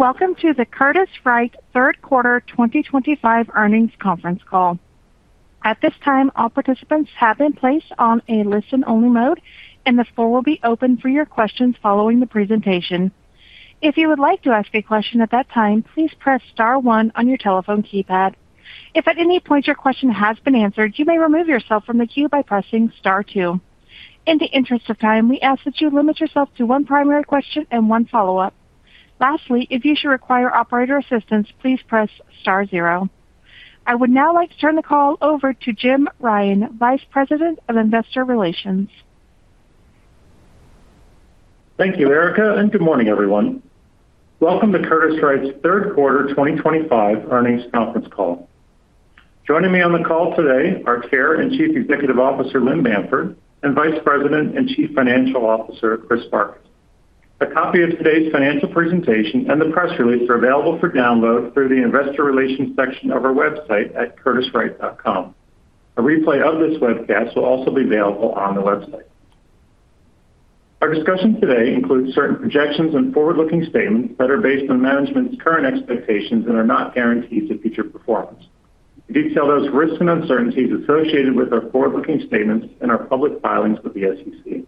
Welcome to the Curtiss-Wright third quarter 2025 earnings conference call. At this time, all participants have been placed on a listen-only mode, and the floor will be open for your questions following the presentation. If you would like to ask a question at that time, please press star one on your telephone keypad. If at any point your question has been answered, you may remove yourself from the queue by pressing star two. In the interest of time, we ask that you limit yourself to one primary question and one follow-up. Lastly, if you should require operator assistance, please press star zero. I would now like to turn the call over to Jim Ryan, Vice President of Investor Relations. Thank you, Erica, and good morning, everyone. Welcome to Curtiss-Wright's third quarter 2025 earnings conference call. Joining me on the call today are Chair and Chief Executive Officer Lynn Bamford and Vice President and Chief Financial Officer Chris Farkas. A copy of today's financial presentation and the press release are available for download through the Investor Relations section of our website at curtisswright.com. A replay of this webcast will also be available on the website. Our discussion today includes certain projections and forward-looking statements that are based on management's current expectations and are not guarantees of future performance. We detail those risks and uncertainties associated with our forward-looking statements in our public filings with the SEC.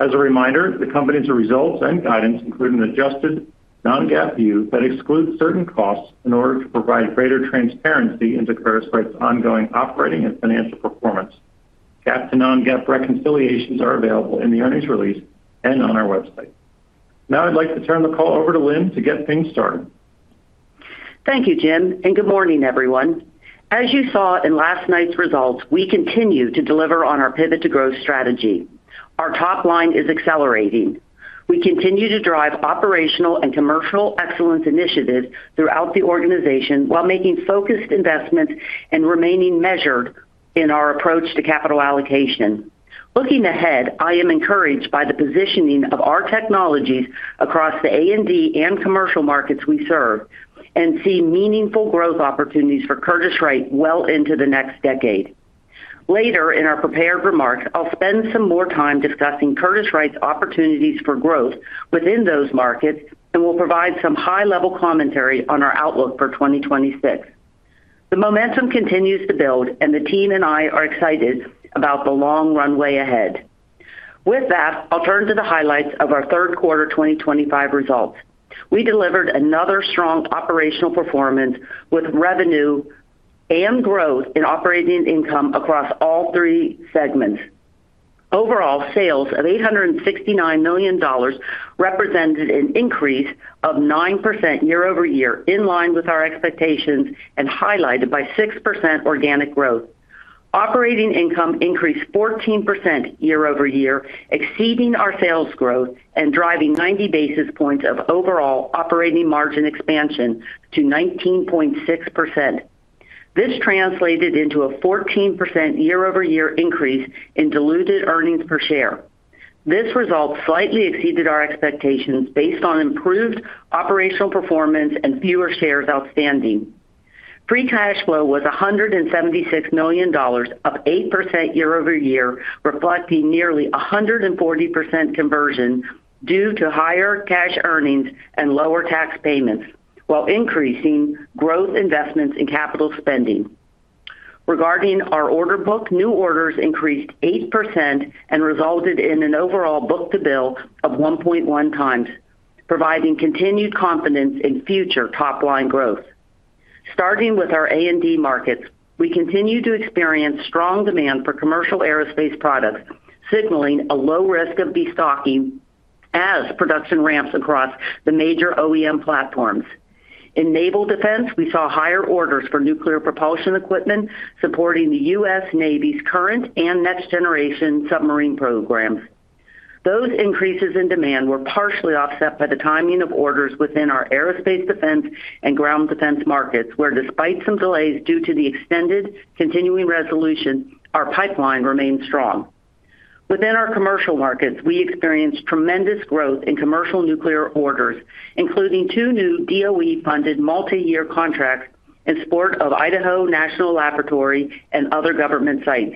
As a reminder, the company's results and guidance include an adjusted non-GAAP view that excludes certain costs in order to provide greater transparency into Curtiss-Wright's ongoing operating and financial performance. GAAP to non-GAAP reconciliations are available in the earnings release and on our website. Now I'd like to turn the call over to Lynn to get things started. Thank you, Jim, and good morning, everyone. As you saw in last night's results, we continue to deliver on our pivot to growth strategy. Our top line is accelerating. We continue to drive operational and commercial excellence initiatives throughout the organization while making focused investments and remaining measured in our approach to capital allocation. Looking ahead, I am encouraged by the positioning of our technologies across the A&D and commercial markets we serve and see meaningful growth opportunities for Curtiss-Wright well into the next decade. Later, in our prepared remarks, I'll spend some more time discussing Curtiss-Wright's opportunities for growth within those markets and will provide some high-level commentary on our outlook for 2026. The momentum continues to build, and the team and I are excited about the long runway ahead. With that, I'll turn to the highlights of our third quarter 2025 results. We delivered another strong operational performance with revenue and growth in operating income across all three segments. Overall, sales of $869 million represented an increase of 9% year-over-year, in line with our expectations and highlighted by 6% organic growth. Operating income increased 14% year-over-year, exceeding our sales growth and driving 90 basis points of overall operating margin expansion to 19.6%. This translated into a 14% year-over-year increase in diluted earnings per share. This result slightly exceeded our expectations based on improved operational performance and fewer shares outstanding. Free Cash Flow was $176 million, up 8% year-over-year, reflecting nearly 140% conversion due to higher cash earnings and lower tax payments, while increasing growth investments in capital spending. Regarding our order book, new orders increased 8% and resulted in an overall Book-to-Bill of 1.1 times, providing continued confidence in future top-line growth. starting with our A&D markets, we continue to experience strong demand for commercial aerospace products, signaling a low risk of destocking as production ramps across the major OEM platforms. In naval defense, we saw higher orders for nuclear propulsion equipment supporting the U.S. Navy's current and next-generation submarine programs. Those increases in demand were partially offset by the timing of orders within our aerospace defense and ground defense markets, where, despite some delays due to the extended continuing resolution, our pipeline remained strong. Within our commercial markets, we experienced tremendous growth in commercial nuclear orders, including two new DOE-funded multi-year contracts in support of Idaho National Laboratory and other government sites.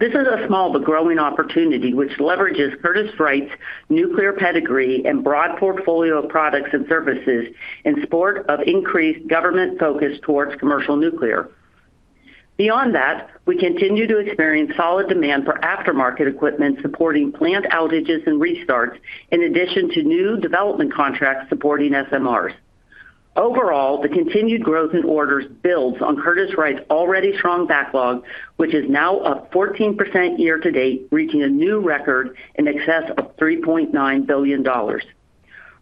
This is a small but growing opportunity, which leverages Curtiss-Wright's nuclear pedigree and broad portfolio of products and services in support of increased government focus towards commercial nuclear. Beyond that, we continue to experience solid demand for aftermarket equipment supporting plant outages and restarts, in addition to new development contracts supporting SMRs. Overall, the continued growth in orders builds on Curtiss-Wright's already strong backlog, which is now up 14% year-to-date, reaching a new record in excess of $3.9 billion.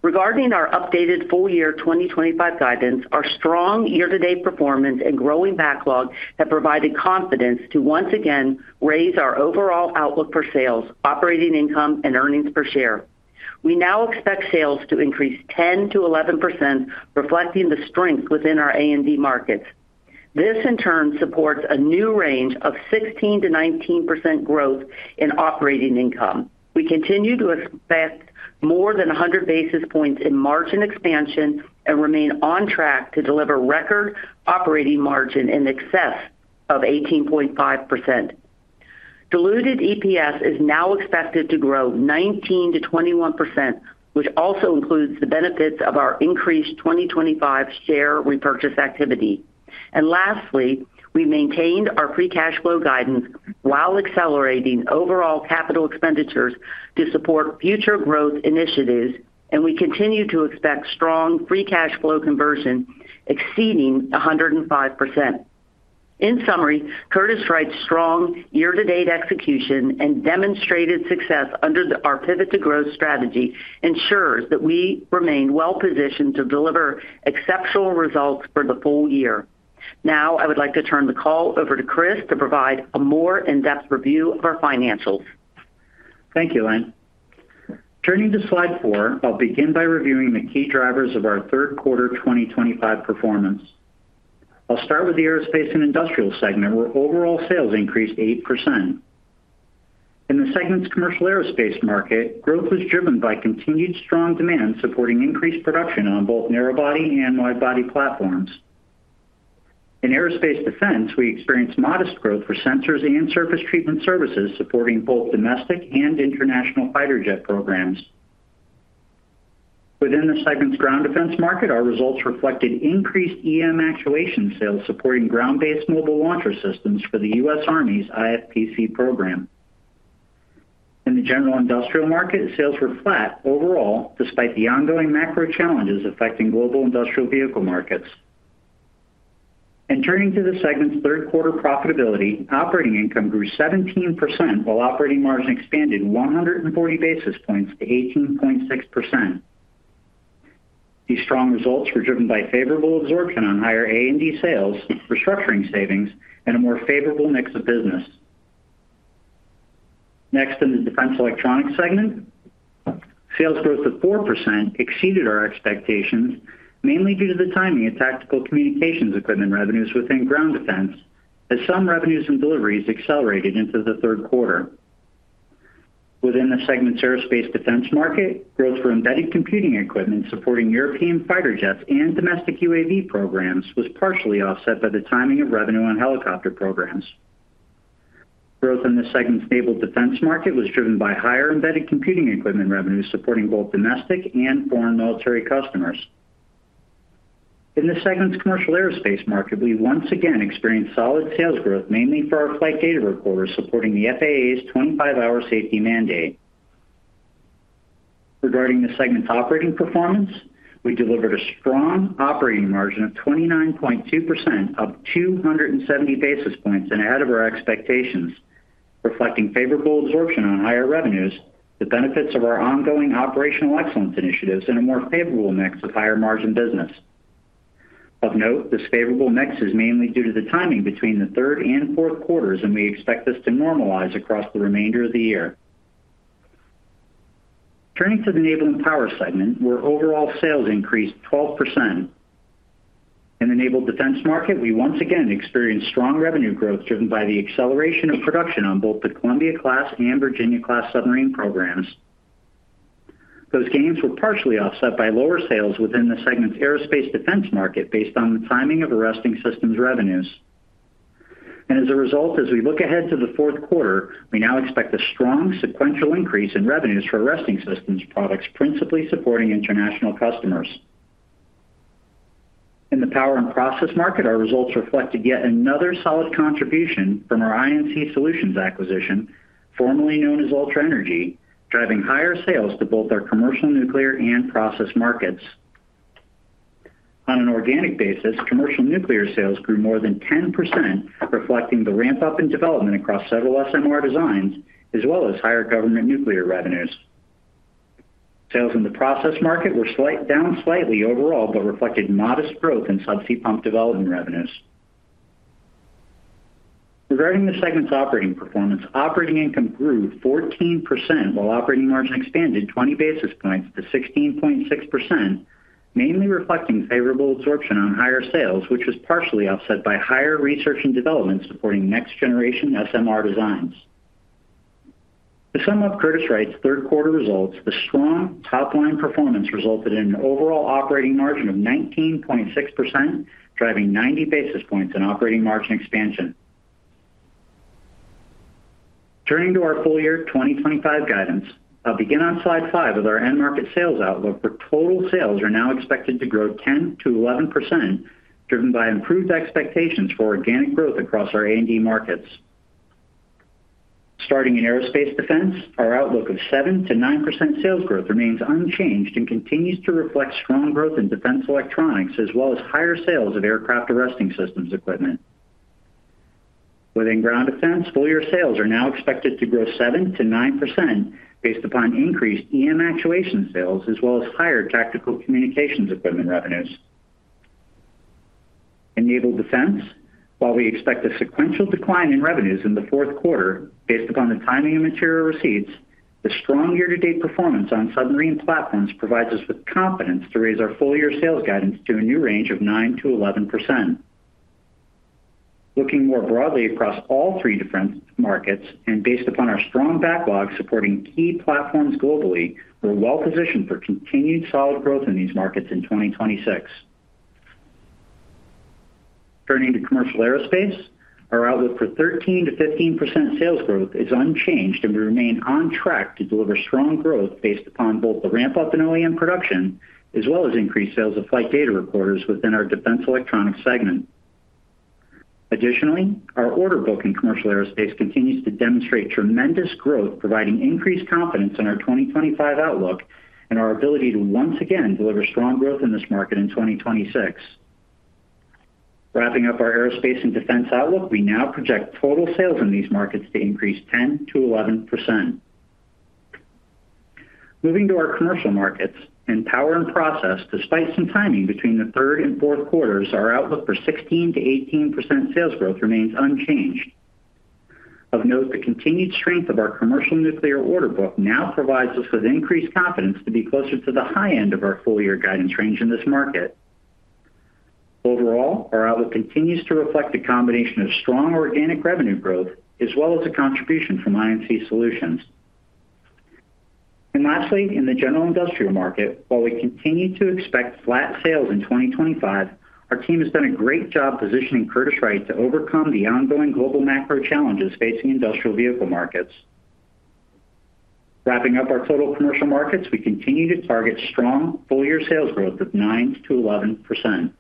Regarding our updated full-year 2025 guidance, our strong year-to-date performance and growing backlog have provided confidence to once again raise our overall outlook for sales, operating income, and earnings per share. We now expect sales to increase 10%-11%, reflecting the strength within our A&D markets. This, in turn, supports a new range of 16%-19% growth in operating income. We continue to expect more than 100 basis points in margin expansion and remain on track to deliver record operating margin in excess of 18.5%. Diluted EPS is now expected to grow 19%-21%, which also includes the benefits of our increased 2025 share repurchase activity. Lastly, we maintained our Free Cash Flow guidance while accelerating overall capital expenditures to support future growth initiatives, and we continue to expect strong Free Cash Flow conversion exceeding 105%. In summary, Curtiss-Wright's strong year-to-date execution and demonstrated success under our pivot to growth strategy ensures that we remain well-positioned to deliver exceptional results for the full year. Now, I would like to turn the call over to Chris to provide a more in-depth review of our financials. Thank you, Lynn. Turning to slide four, I'll begin by reviewing the key drivers of our third quarter 2025 performance. I'll start with the aerospace and industrial segment, where overall sales increased 8%. In the segment's commercial aerospace market, growth was driven by continued strong demand supporting increased production on both narrow-body and wide-body platforms. In aerospace defense, we experienced modest growth for sensors and surface treatment services supporting both domestic and international fighter jet programs. Within the segment's ground defense market, our results reflected increased EM actuation sales supporting ground-based mobile launcher systems for the U.S. Army's IFPC program. In the general industrial market, sales were flat overall, despite the ongoing macro challenges affecting global industrial vehicle markets. Turning to the segment's third-quarter profitability, operating income grew 17% while operating margin expanded 140 basis points to 18.6%. These strong results were driven by favorable absorption on higher A&D sales, restructuring savings, and a more favorable mix of business. Next, in the defense electronics segment. Sales growth of 4% exceeded our expectations, mainly due to the timing of tactical communications equipment revenues within ground defense, as some revenues and deliveries accelerated into the third quarter. Within the segment's aerospace defense market, growth for embedded computing equipment supporting European fighter jets and domestic UAV programs was partially offset by the timing of revenue on helicopter programs. Growth in the segment's naval defense market was driven by higher embedded computing equipment revenues supporting both domestic and foreign military customers. In the segment's commercial aerospace market, we once again experienced solid sales growth, mainly for our flight data recorders supporting the FAA's 25-hour safety mandate. Regarding the segment's operating performance, we delivered a strong operating margin of 29.2%, up 270 basis points and ahead of our expectations, reflecting favorable absorption on higher revenues, the benefits of our ongoing operational excellence initiatives, and a more favorable mix of higher margin business. Of note, this favorable mix is mainly due to the timing between the third and fourth quarters, and we expect this to normalize across the remainder of the year. Turning to the naval and power segment, where overall sales increased 12%. In the naval defense market, we once again experienced strong revenue growth driven by the acceleration of production on both the Columbia-class and Virginia-class submarine programs. Those gains were partially offset by lower sales within the segment's aerospace defense market based on the timing of aircraft arresting systems revenues. As a result, as we look ahead to the fourth quarter, we now expect a strong sequential increase in revenues for arresting systems products principally supporting international customers. In the power and process market, our results reflected yet another solid contribution from our Inc Solutions acquisition, formerly known as UltraEnergy, driving higher sales to both our commercial nuclear and process markets. On an organic basis, commercial nuclear sales grew more than 10%, reflecting the ramp-up in development across several SMR designs, as well as higher government nuclear revenues. Sales in the process market were down slightly overall but reflected modest growth in subsea pump development revenues. Regarding the segment's operating performance, operating income grew 14% while operating margin expanded 20 basis points to 16.6%. This mainly reflected favorable absorption on higher sales, which was partially offset by higher research and development supporting next-generation SMR designs. To sum up Curtiss-Wright's third-quarter results, the strong top-line performance resulted in an overall operating margin of 19.6%, driving 90 basis points in operating margin expansion. Turning to our full-year 2025 guidance, I'll begin on slide five with our end-market sales outlook for total sales that are now expected to grow 10%-11%, driven by improved expectations for organic growth across our A&D markets. starting in aerospace defense, our outlook of 7%-9% sales growth remains unchanged and continues to reflect strong growth in defense electronics, as well as higher sales of aircraft arresting systems equipment. Within ground defense, full-year sales are now expected to grow 7%-9% based upon increased EM actuation sales, as well as higher tactical communications equipment revenues. In naval defense, while we expect a sequential decline in revenues in the fourth quarter based upon the timing of material receipts, the strong year-to-date performance on submarine platforms provides us with confidence to raise our full-year sales guidance to a new range of 9%-11%. Looking more broadly across all three different markets and based upon our strong backlog supporting key platforms globally, we're well-positioned for continued solid growth in these markets in 2026. Turning to commercial aerospace, our outlook for 13%-15% sales growth is unchanged, and we remain on track to deliver strong growth based upon both the ramp-up in OEM production as well as increased sales of flight data recorders within our defense electronics segment. Additionally, our order book in commercial aerospace continues to demonstrate tremendous growth, providing increased confidence in our 2025 outlook and our ability to once again deliver strong growth in this market in 2026. Wrapping up our aerospace and defense outlook, we now project total sales in these markets to increase 10%-11%. Moving to our commercial markets, in power and process, despite some timing between the third and fourth quarters, our outlook for 16%-18% sales growth remains unchanged. Of note, the continued strength of our commercial nuclear order book now provides us with increased confidence to be closer to the high end of our full-year guidance range in this market. Overall, our outlook continues to reflect a combination of strong organic revenue growth as well as a contribution from Inc Solutions. Lastly, in the general industrial market, while we continue to expect flat sales in 2025, our team has done a great job positioning Curtiss-Wright to overcome the ongoing global macro challenges facing industrial vehicle markets. Wrapping up our total commercial markets, we continue to target strong full-year sales growth of 9%-11%.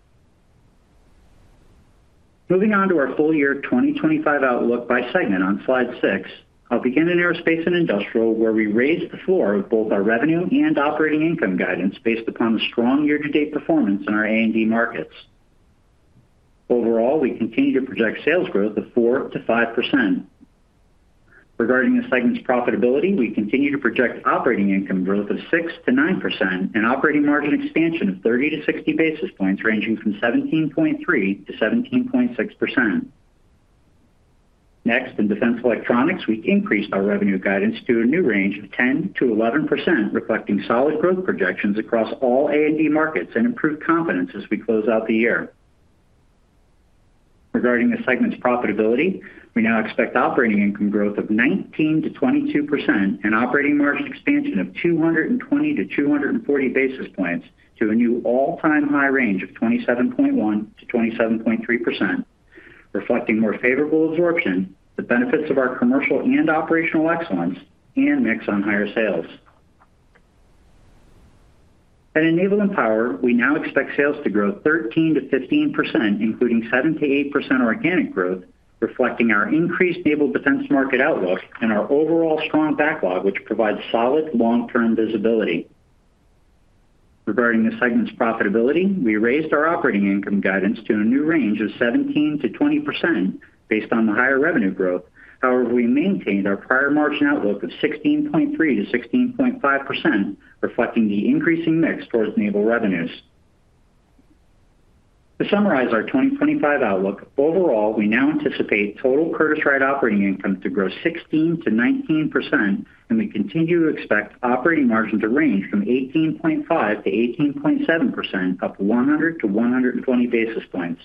Moving on to our full-year 2025 outlook by segment on slide six, I'll begin in aerospace and industrial, where we raised the floor with both our revenue and operating income guidance based upon the strong year-to-date performance in our A&D markets. Overall, we continue to project sales growth of 4%-5%. Regarding the segment's profitability, we continue to project operating income growth of 6%-9% and operating margin expansion of 30-60 basis points, ranging from 17.3%-17.6%. Next, in defense electronics, we increased our revenue guidance to a new range of 10%-11%, reflecting solid growth projections across all A&D markets and improved confidence as we close out the year. Regarding the segment's profitability, we now expect operating income growth of 19%-22% and operating margin expansion of 220-240 basis points to a new all-time high range of 27.1%-27.3%. Reflecting more favorable absorption, the benefits of our commercial and operational excellence and mix on higher sales. At enablement power, we now expect sales to grow 13%-15%, including 7%-8% organic growth, reflecting our increased naval defense market outlook and our overall strong backlog, which provides solid long-term visibility. Regarding the segment's profitability, we raised our operating income guidance to a new range of 17%-20% based on the higher revenue growth. However, we maintained our prior margin outlook of 16.3%-16.5%, reflecting the increasing mix towards naval revenues. To summarize our 2025 outlook, overall, we now anticipate total Curtiss-Wright operating income to grow 16%-19%, and we continue to expect operating margin to range from 18.5%-18.7%, up 100-120 basis points.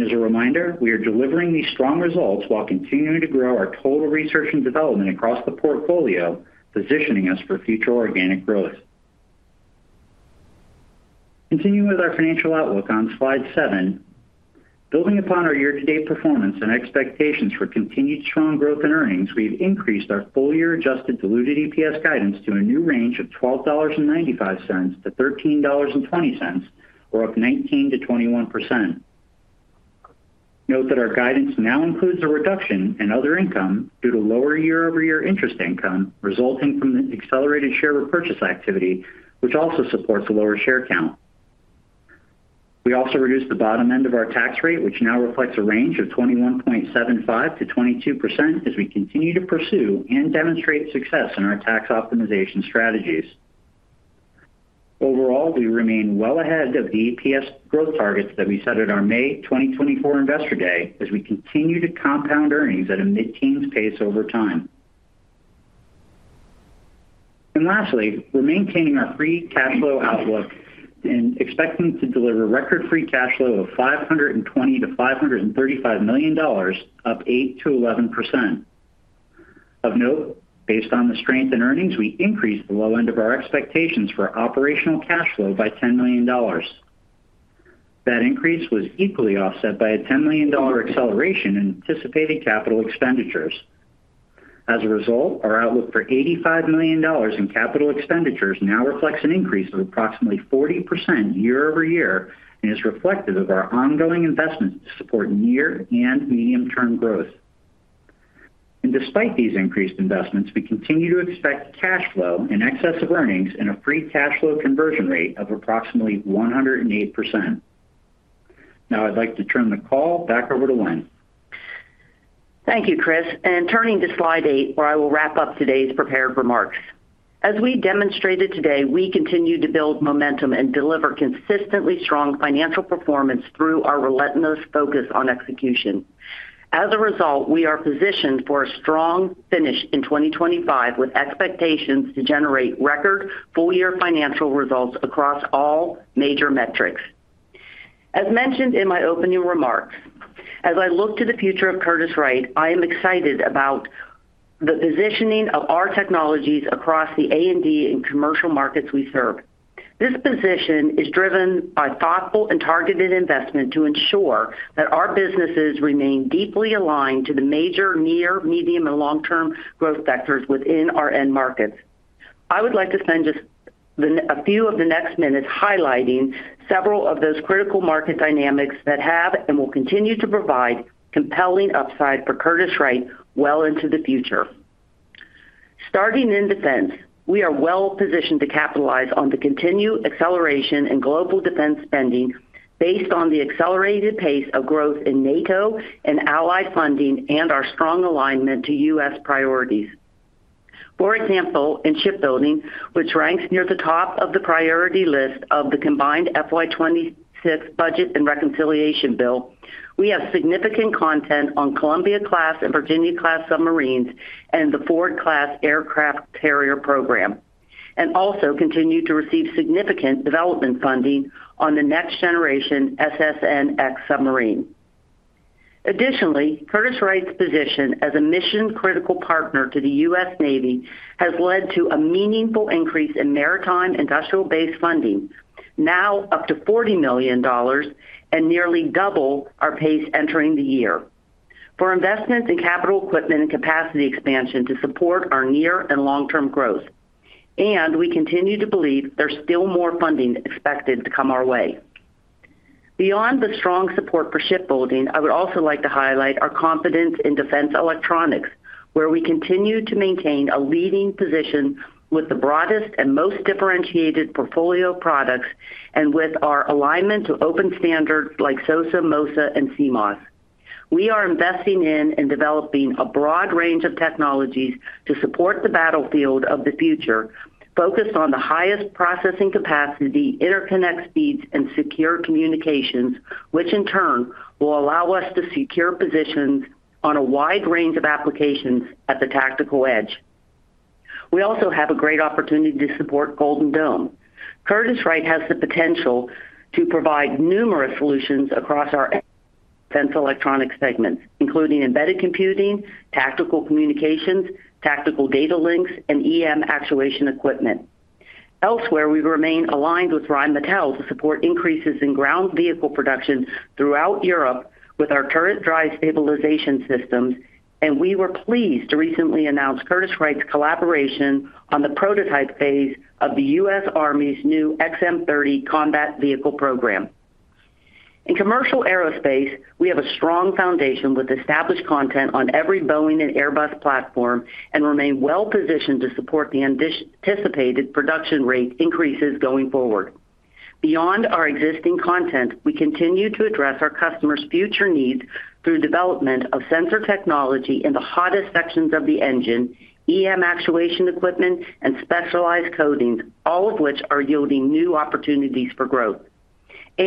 As a reminder, we are delivering these strong results while continuing to grow our total research and development across the portfolio, positioning us for future organic growth. Continuing with our financial outlook on slide seven, building upon our year-to-date performance and expectations for continued strong growth and earnings, we've increased our full-year adjusted diluted EPS guidance to a new range of $12.95-$13.20, or up 19%-21%. Note that our guidance now includes a reduction in other income due to lower year-over-year interest income resulting from the accelerated share repurchase activity, which also supports a lower share count. We also reduced the bottom end of our tax rate, which now reflects a range of 21.75%-22% as we continue to pursue and demonstrate success in our tax optimization strategies. Overall, we remain well ahead of the EPS growth targets that we set at our May 2024 investor day, as we continue to compound earnings at a mid-teens pace over time. Lastly, we're maintaining our Free Cash Flow outlook and expecting to deliver record Free Cash Flow of $520 million-$535 million, up 8%-11%. Of note, based on the strength in earnings, we increased the low end of our expectations for operational cash flow by $10 million. That increase was equally offset by a $10 million acceleration in anticipated capital expenditures. As a result, our outlook for $85 million in capital expenditures now reflects an increase of approximately 40% year-over-year and is reflective of our ongoing investments to support near and medium-term growth. Despite these increased investments, we continue to expect cash flow and excessive earnings and a Free Cash Flow conversion rate of approximately 108%. Now, I'd like to turn the call back over to Lynn. Thank you, Chris. Turning to slide eight, where I will wrap up today's prepared remarks. As we demonstrated today, we continue to build momentum and deliver consistently strong financial performance through our relentless focus on execution. As a result, we are positioned for a strong finish in 2025 with expectations to generate record full-year financial results across all major metrics. As mentioned in my opening remarks, as I look to the future of Curtiss-Wright, I am excited about the positioning of our technologies across the A&D and commercial markets we serve. This position is driven by thoughtful and targeted investment to ensure that our businesses remain deeply aligned to the major near, medium, and long-term growth vectors within our end markets. I would like to spend just a few of the next minutes highlighting several of those critical market dynamics that have and will continue to provide compelling upside for Curtiss-Wright well into the future. starting in defense, we are well-positioned to capitalize on the continued acceleration in global defense spending based on the accelerated pace of growth in NATO and allied funding and our strong alignment to U.S. priorities. For example, in shipbuilding, which ranks near the top of the priority list of the combined FY2026 budget and reconciliation bill, we have significant content on Columbia-class and Virginia-class submarines and the Ford-class aircraft carrier program, and also continue to receive significant development funding on the next-generation SSNX submarine. Additionally, Curtiss-Wright's position as a mission-critical partner to the U.S. Navy has led to a meaningful increase in maritime industrial-based funding, now up to $40 million. Nearly double our pace entering the year, for investments in capital equipment and capacity expansion to support our near and long-term growth. We continue to believe there's still more funding expected to come our way. Beyond the strong support for shipbuilding, I would also like to highlight our confidence in defense electronics, where we continue to maintain a leading position with the broadest and most differentiated portfolio products and with our alignment to open standards like SOSA, MOSA, and CMOS. We are investing in and developing a broad range of technologies to support the battlefield of the future, focused on the highest processing capacity, interconnect speeds, and secure communications, which in turn will allow us to secure positions on a wide range of applications at the tactical edge. We also have a great opportunity to support Iron Dome. Curtiss-Wright has the potential to provide numerous solutions across our defense electronics segments, including embedded computing, tactical communications, tactical data links, and EM actuation equipment. Elsewhere, we remain aligned with Rheinmetall to support increases in ground vehicle production throughout Europe with our turret drive stabilization systems, and we were pleased to recently announce Curtiss-Wright's collaboration on the prototype phase of the U.S. Army's new XM-30 combat vehicle program. In commercial aerospace, we have a strong foundation with established content on every Boeing and Airbus platform and remain well-positioned to support the anticipated production rate increases going forward. Beyond our existing content, we continue to address our customers' future needs through development of sensor technology in the hottest sections of the engine, EM actuation equipment, and specialized coatings, all of which are yielding new opportunities for growth.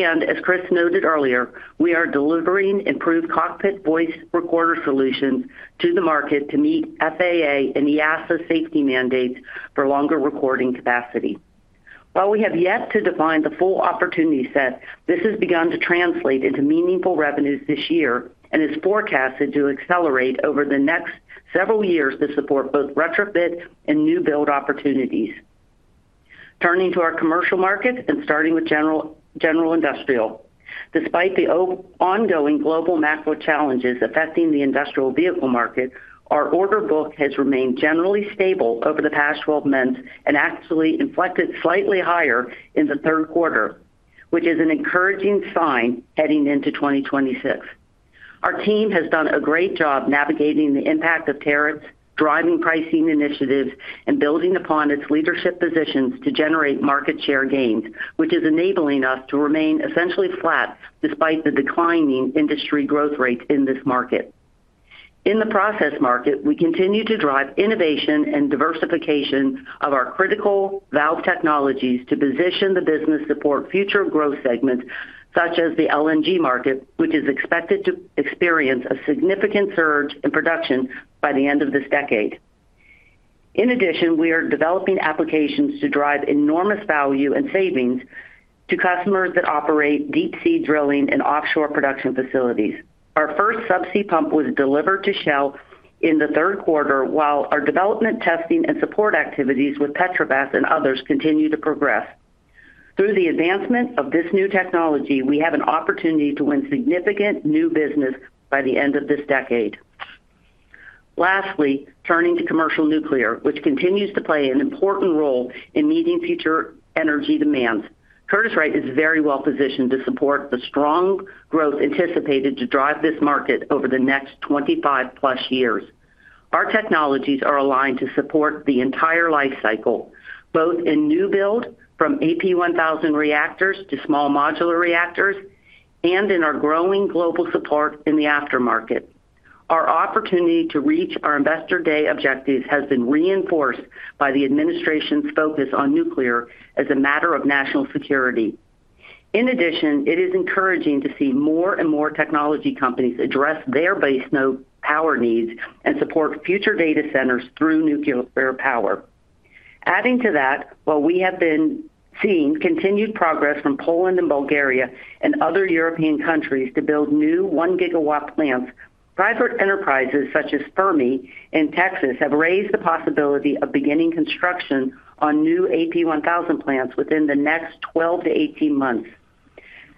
As Chris noted earlier, we are delivering improved cockpit voice recorder solutions to the market to meet FAA and EASA safety mandates for longer recording capacity. While we have yet to define the full opportunity set, this has begun to translate into meaningful revenues this year and is forecasted to accelerate over the next several years to support both retrofit and new build opportunities. Turning to our commercial market and starting with general industrial, despite the ongoing global macro challenges affecting the industrial vehicle market, our order book has remained generally stable over the past 12 months and actually inflected slightly higher in the third quarter, which is an encouraging sign heading into 2026. Our team has done a great job navigating the impact of tariffs, driving pricing initiatives, and building upon its leadership positions to generate market share gains, which is enabling us to remain essentially flat despite the declining industry growth rates in this market. In the process market, we continue to drive innovation and diversification of our critical valve technologies to position the business to support future growth segments, such as the LNG market, which is expected to experience a significant surge in production by the end of this decade. In addition, we are developing applications to drive enormous value and savings to customers that operate deep-sea drilling and offshore production facilities. Our first subsea pump was delivered to Shell in the third quarter, while our development, testing, and support activities with Petrobras and others continue to progress. Through the advancement of this new technology, we have an opportunity to win significant new business by the end of this decade. Lastly, turning to commercial nuclear, which continues to play an important role in meeting future energy demands, Curtiss-Wright is very well positioned to support the strong growth anticipated to drive this market over the next 25+ years. Our technologies are aligned to support the entire life cycle, both in new build from AP1000 reactors to small modular reactors and in our growing global support in the aftermarket. Our opportunity to reach our investor day objectives has been reinforced by the administration's focus on nuclear as a matter of national security. In addition, it is encouraging to see more and more technology companies address their base node power needs and support future data centers through nuclear power. Adding to that, while we have been seeing continued progress from Poland and Bulgaria and other European countries to build new 1 GW plants, private enterprises such as Fermi in Texas have raised the possibility of beginning construction on new AP1000 plants within the next 12-18 months.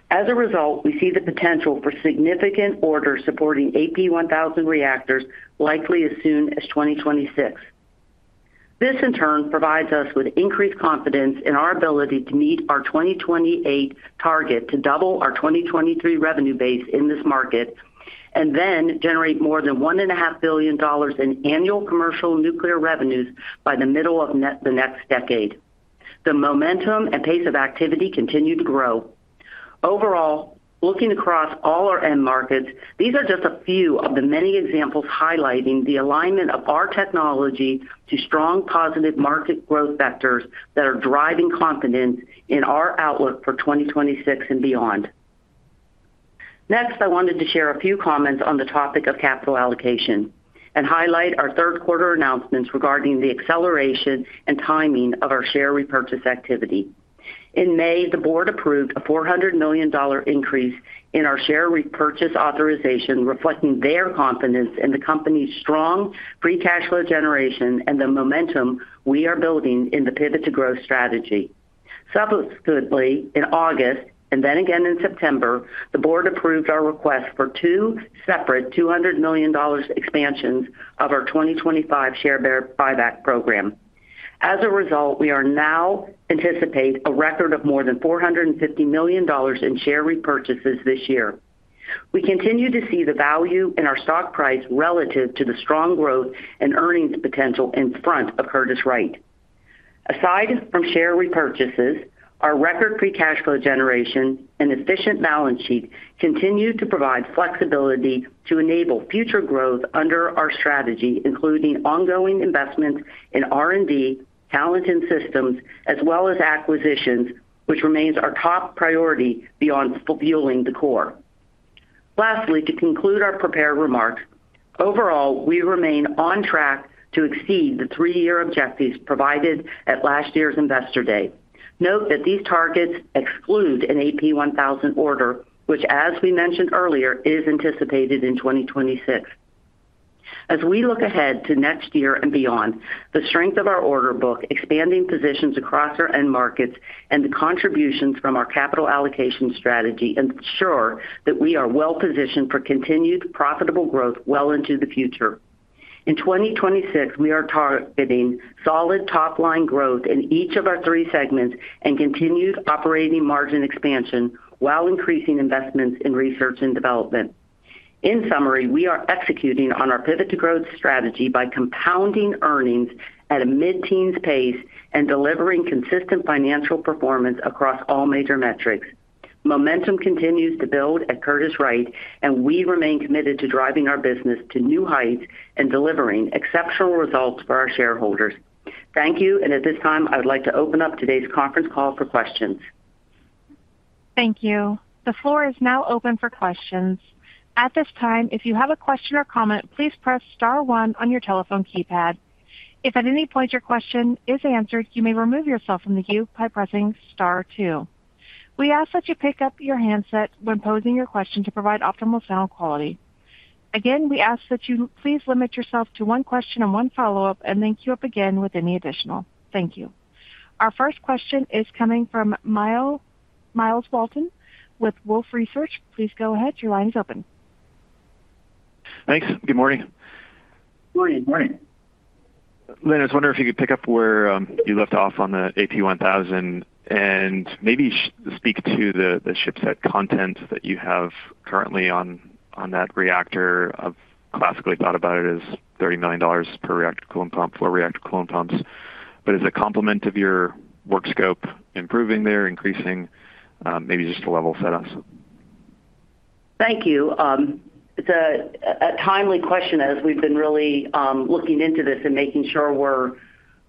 As a result, we see the potential for significant orders supporting AP1000 reactors likely as soon as 2026. This, in turn, provides us with increased confidence in our ability to meet our 2028 target to double our 2023 revenue base in this market. Then generate more than $1.5 billion in annual commercial nuclear revenues by the middle of the next decade. The momentum and pace of activity continue to grow. Overall, looking across all our end markets, these are just a few of the many examples highlighting the alignment of our technology to strong positive market growth vectors that are driving confidence in our outlook for 2026 and beyond. Next, I wanted to share a few comments on the topic of capital allocation and highlight our third-quarter announcements regarding the acceleration and timing of our share repurchase activity. In May, the board approved a $400 million increase in our share repurchase authorization, reflecting their confidence in the company's strong Free Cash Flow generation and the momentum we are building in the pivot to growth strategy. Subsequently, in August and then again in September, the board approved our request for two separate $200 million expansions of our 2025 share buyback program. As a result, we now anticipate a record of more than $450 million in share repurchases this year. We continue to see the value in our stock price relative to the strong growth and earnings potential in front of Curtiss-Wright. Aside from share repurchases, our record Free Cash Flow generation and efficient balance sheet continue to provide flexibility to enable future growth under our strategy, including ongoing investments in R&D, talent and systems, as well as acquisitions, which remains our top priority beyond fueling the core. Lastly, to conclude our prepared remarks, overall, we remain on track to exceed the three-year objectives provided at last year's investor day. Note that these targets exclude an AP1000 order, which, as we mentioned earlier, is anticipated in 2026. As we look ahead to next year and beyond, the strength of our order book, expanding positions across our end markets, and the contributions from our capital allocation strategy ensure that we are well-positioned for continued profitable growth well into the future. In 2026, we are targeting solid top-line growth in each of our three segments and continued operating margin expansion while increasing investments in research and development. In summary, we are executing on our pivot to growth strategy by compounding earnings at a mid-teens pace and delivering consistent financial performance across all major metrics. Momentum continues to build at Curtiss-Wright, and we remain committed to driving our business to new heights and delivering exceptional results for our shareholders. Thank you. At this time, I would like to open up today's conference call for questions. Thank you. The floor is now open for questions. At this time, if you have a question or comment, please press star one on your telephone keypad. If at any point your question is answered, you may remove yourself from the queue by pressing star two. We ask that you pick up your handset when posing your question to provide optimal sound quality. Again, we ask that you please limit yourself to one question and one follow-up and then queue up again with any additional. Thank you. Our first question is coming from Myles Walton with Wolfe Research. Please go ahead. Your line is open. Thanks. Good morning. Good morning. Good morning. Lynn, I was wondering if you could pick up where you left off on the AP1000 and maybe speak to the chipset content that you have currently on that reactor. Classically thought about it as $30 million per reactor coolant pump, four reactor coolant pumps. But is the complement of your work scope improving there, increasing, maybe just to level set us? Thank you. It's a timely question as we've been really looking into this and making sure we're.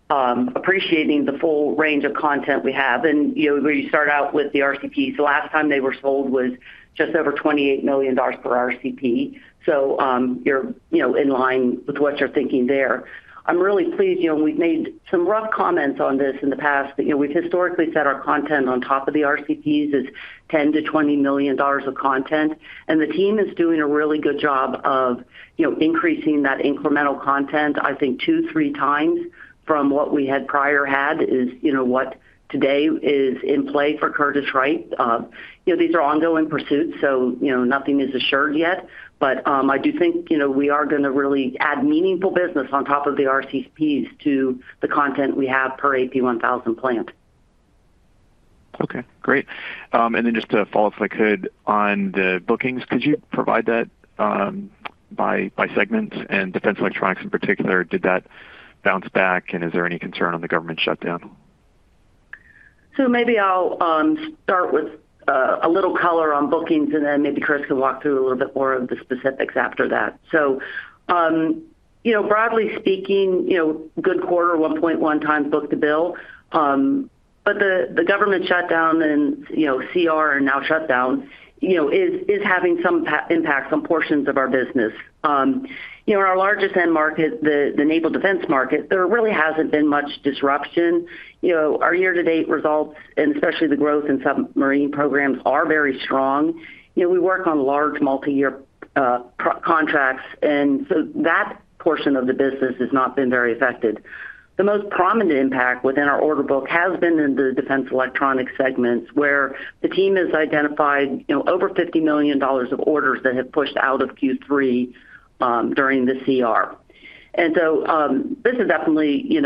Appreciating the full range of content we have. We start out with the RCPs. The last time they were sold was just over $28 million per RCP, so you're in line with what you're thinking there. I'm really pleased. We've made some rough comments on this in the past. We've historically set our content on top of the RCPs as $10-$20 million of content, and the team is doing a really good job of increasing that incremental content, I think, two-three times from what we had prior had is what today is in play for Curtiss-Wright. These are ongoing pursuits, so nothing is assured yet. I do think we are going to really add meaningful business on top of the RCPs to the content we have per AP1000 plant. Okay. Great. Just to follow up, if I could, on the bookings, could you provide that by segments? And defense electronics in particular, did that bounce back? Is there any concern on the government shutdown? Maybe I'll start with a little color on bookings, and then maybe Chris can walk through a little bit more of the specifics after that. Broadly speaking, good quarter, 1.1 times Book-to-Bill. The government shutdown and CR and now shutdown is having some impact on portions of our business. In our largest end market, the naval defense market, there really hasn't been much disruption. Our year-to-date results, and especially the growth in submarine programs, are very strong. We work on large multi-year contracts, and so that portion of the business has not been very affected. The most prominent impact within our order book has been in the defense electronics segments, where the team has identified over $50 million of orders that have pushed out of Q3 during the Continuing Resolution. This is definitely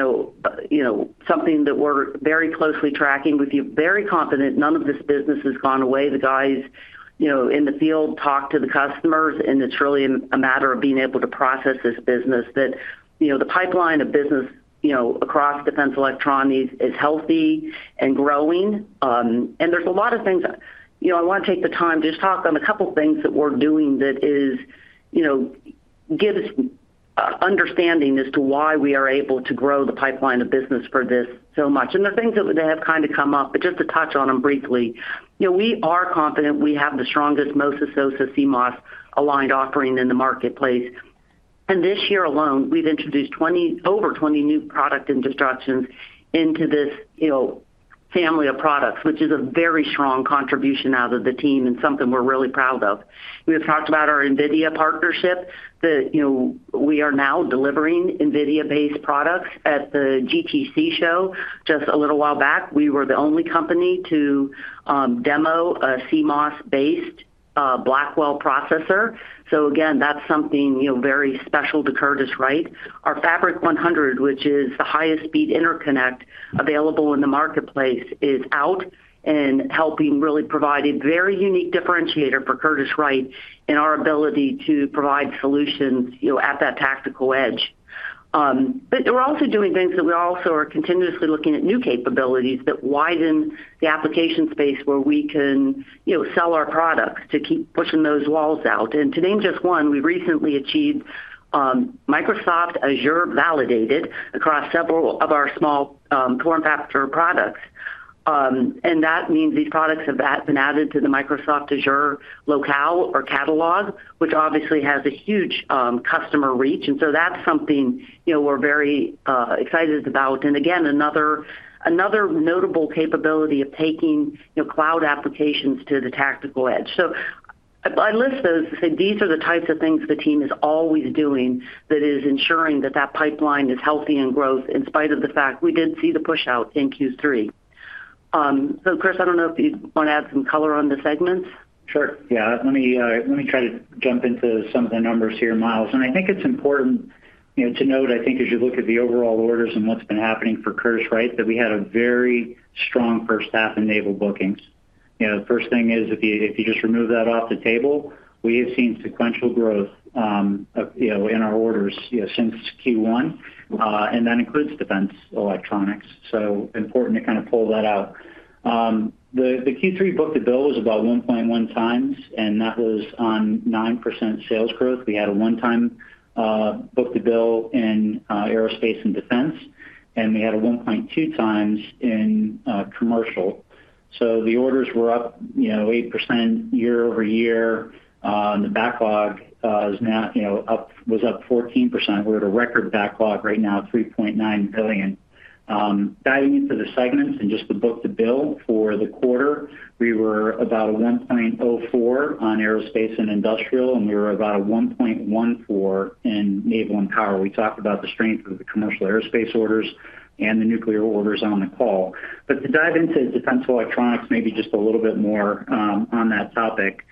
something that we're very closely tracking with you. Very confident none of this business has gone away. The guys in the field talk to the customers, and it's really a matter of being able to process this business, that the pipeline of business across defense electronics is healthy and growing. There's a lot of things. I want to take the time to just talk on a couple of things that we're doing that gives understanding as to why we are able to grow the pipeline of business for this so much. There are things that have kind of come up, but just to touch on them briefly. We are confident we have the strongest, most associated CMOS-aligned offering in the marketplace. This year alone, we have introduced over 20 new product introductions into this family of products, which is a very strong contribution out of the team and something we are really proud of. We have talked about our NVIDIA partnership. We are now delivering NVIDIA-based products at the GTC show. Just a little while back, we were the only company to demo a CMOS-based Blackwell processor. That is something very special to Curtiss-Wright. Our Fabric 100, which is the highest speed interconnect available in the marketplace, is out and helping really provide a very unique differentiator for Curtiss-Wright in our ability to provide solutions at that tactical edge. We are also doing things that we also are continuously looking at, new capabilities that widen the application space where we can sell our products to keep pushing those walls out. To name just one, we recently achieved Microsoft Azure validated across several of our small form factor products. That means these products have been added to the Microsoft Azure catalog, which obviously has a huge customer reach. That is something we are very excited about. Again, another notable capability of taking cloud applications to the tactical edge. I list those to say these are the types of things the team is always doing that is ensuring that that pipeline is healthy and growth in spite of the fact we did see the push-out in Q3. Chris, I do not know if you want to add some color on the segments. Sure. Yeah. Let me try to jump into some of the numbers here, Myles. I think it's important to note, I think, as you look at the overall orders and what's been happening for Curtiss-Wright, that we had a very strong first half in naval bookings. The first thing is, if you just remove that off the table, we have seen sequential growth in our orders since Q1. That includes defense electronics. Important to kind of pull that out. The Q3 Book-to-Bill was about 1.1 times, and that was on 9% sales growth. We had a one-time Book-to-Bill in aerospace and defense, and we had a 1.2 times in commercial. The orders were up 8% year-over-year. The backlog was up 14%. We're at a record backlog right now of $3.9 billion. Diving into the segments and just the Book-to-Bill for the quarter, we were about a 1.04 on aerospace and industrial, and we were about a 1.14 in naval and power. We talked about the strength of the commercial aerospace orders and the nuclear orders on the call. To dive into defense electronics, maybe just a little bit more on that topic.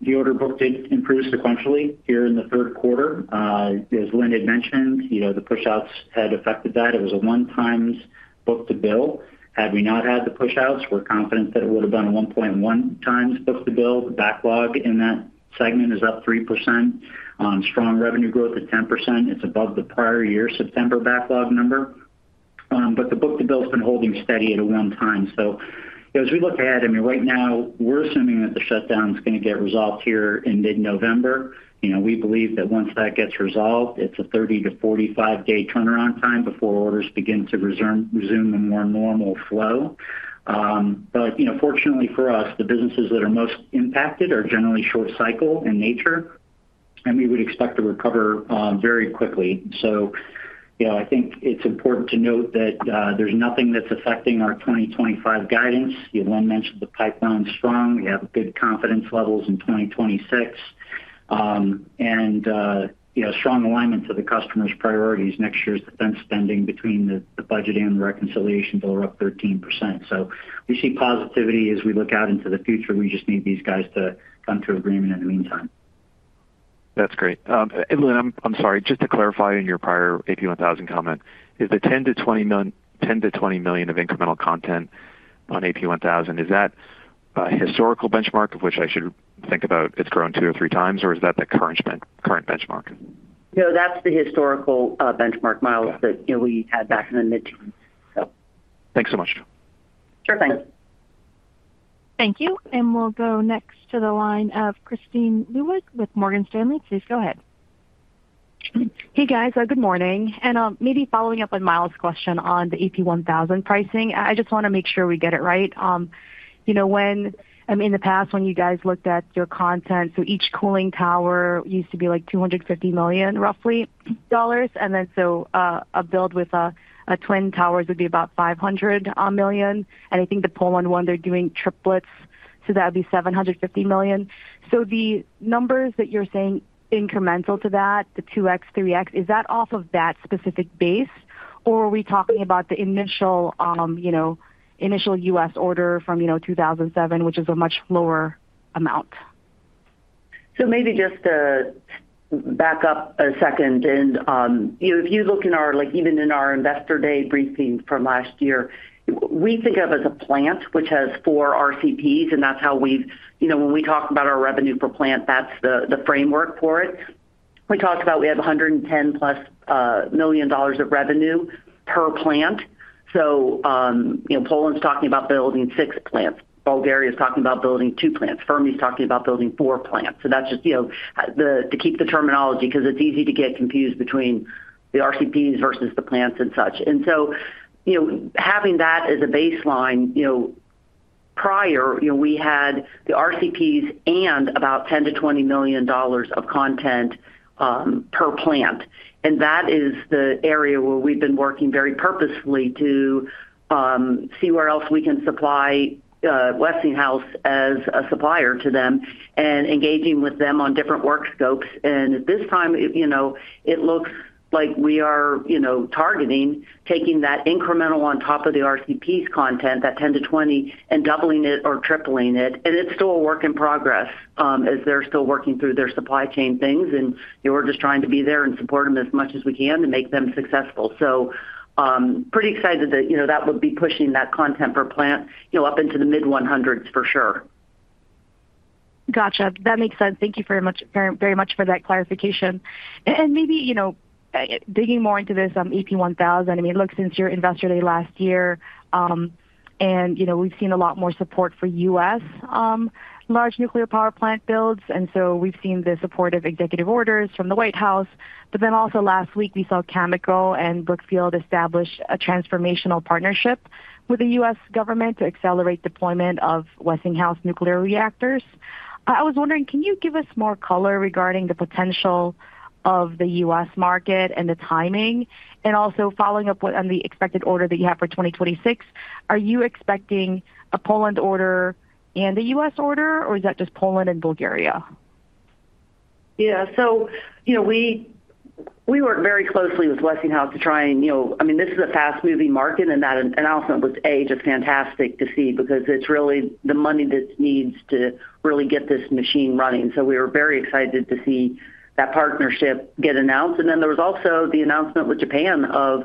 The order book did improve sequentially here in the third quarter. As Lynn had mentioned, the push-outs had affected that. It was a one-times Book-to-Bill. Had we not had the push-outs, we're confident that it would have been a 1.1 times Book-to-Bill. The backlog in that segment is up 3%. Strong revenue growth at 10%. It's above the prior year September backlog number. The Book-to-Bill has been holding steady at a one-time. As we look ahead, I mean, right now, we're assuming that the shutdown is going to get resolved here in mid-November. We believe that once that gets resolved, it's a 30-45 day turnaround time before orders begin to resume a more normal flow. Fortunately for us, the businesses that are most impacted are generally short-cycle in nature, and we would expect to recover very quickly. I think it's important to note that there's nothing that's affecting our 2025 guidance. Lynn mentioned the pipeline is strong. We have good confidence levels in 2026. Strong alignment to the customer's priorities. Next year's defense spending between the budget and the reconciliation bill are up 13%. We see positivity as we look out into the future. We just need these guys to come to agreement in the meantime. That's great. Lynn, I'm sorry. Just to clarify in your prior AP1000 comment, is the $10 million-$20 million of incremental content on AP1000, is that a historical benchmark of which I should think about it's grown two or three times, or is that the current benchmark? No, that's the historical benchmark, Miles, that we had back in the mid-teens, so. Thanks so much. Sure thing. Thank you. We'll go next to the line of Christine Lewis with Morgan Stanley. Please go ahead. Hey, guys. Good morning. Maybe following up on Miles' question on the AP1000 pricing, I just want to make sure we get it right. In the past, when you guys looked at your content, so each cooling tower used to be like $250 million, roughly. Then a build with twin towers would be about $500 million. I think the Poland one, they're doing triplets, so that would be $750 million. The numbers that you're saying incremental to that, the 2X, 3X, is that off of that specific base, or are we talking about the initial U.S. order from 2007, which is a much lower amount? Maybe just to back up a second. If you look in our, even in our investor day briefing from last year, we think of it as a plant which has four RCPs, and that's how we've, when we talk about our revenue per plant, that's the framework for it. We talked about we have $110-plus million of revenue per plant. Poland's talking about building six plants. Bulgaria is talking about building two plants. Fermi is talking about building four plants. That's just. To keep the terminology because it's easy to get confused between the RCPs versus the plants and such. Having that as a baseline. Prior, we had the RCPs and about $10 million-$20 million of content per plant. That is the area where we've been working very purposefully to see where else we can supply. Westinghouse as a supplier to them and engaging with them on different work scopes. At this time, it looks like we are targeting taking that incremental on top of the RCPs content, that $10 million-$20 million, and doubling it or tripling it. It's still a work in progress as they're still working through their supply chain things. We're just trying to be there and support them as much as we can to make them successful. Pretty excited that that would be pushing that content per plant up into the mid-100s for sure. Gotcha. That makes sense. Thank you very much for that clarification. Maybe digging more into this AP1000, I mean, look, since your Investor Day last year, we've seen a lot more support for U.S. large nuclear power plant builds. We've seen the supportive executive orders from the White House. Also, last week, we saw Cameco and Brookfield establish a transformational partnership with the U.S. government to accelerate deployment of Westinghouse nuclear reactors. I was wondering, can you give us more color regarding the potential of the U.S. market and the timing? Also, following up on the expected order that you have for 2026, are you expecting a Poland order and a U.S. order, or is that just Poland and Bulgaria? Yeah. We worked very closely with Westinghouse to try and, I mean, this is a fast-moving market, and that announcement with Age is fantastic to see because it's really the money that needs to really get this machine running. We were very excited to see that partnership get announced. There was also the announcement with Japan of